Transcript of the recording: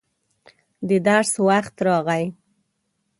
د درس وخت راغی.